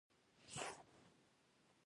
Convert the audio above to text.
غوښې د افغانستان د طبیعي پدیدو یو رنګ دی.